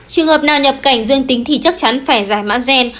trường hợp nào nhập cảnh dương tính thì chắc chắn phải giải mã gen